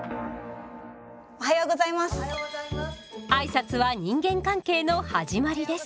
おはようございます。